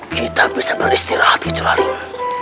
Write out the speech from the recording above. kita bisa beristirahat kejurahling